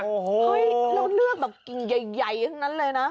เฮ้ยเราเลือกแบบกิ่งใหญ่ทั้งนั้นเลยนะ